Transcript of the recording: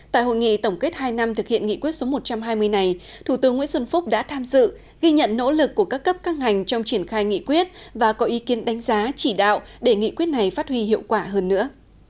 tại hội nghị tổng kết hai năm thực hiện nghị quyết số một trăm hai mươi này thủ tướng nguyễn xuân phúc đã tham dự ghi nhận nỗ lực của các cấp các ngành trong triển khai nghị quyết và có ý kiến đánh giá chỉ đạo để nghị quyết này phát huy hiệu quả hơn nữa